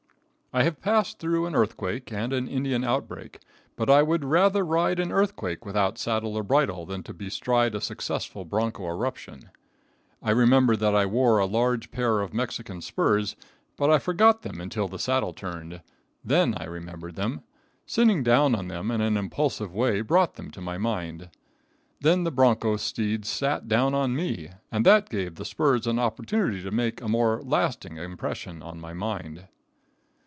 I have passed through an earthquake and an Indian outbreak, but I would rather ride an earthquake without saddle or bridle than to bestride a successful broncho eruption. I remember that I wore a large pair of Mexican spurs, but I forgot them until the saddle turned. Then I remembered them. Sitting down on them in an impulsive way brought them to my mind. Then the broncho steed sat down on me, and that gave the spurs an opportunity to make a more lasting impression on my mind.